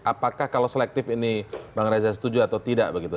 apakah kalau selektif ini bang reza setuju atau tidak begitu